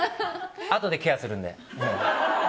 あとでケアするんで。